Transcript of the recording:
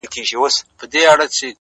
قرآن; انجیل; تلمود; گیتا به په قسم نيسې;